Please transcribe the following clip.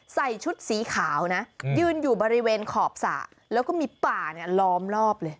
ใส่ชุดสีขาวนะยืนอยู่บริเวณขอบสระแล้วก็มีป่าเนี่ยล้อมรอบเลย